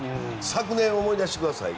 昨年を思い出してください。